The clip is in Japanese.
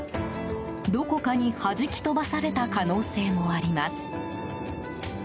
どこかにはじき飛ばされた可能性もあります。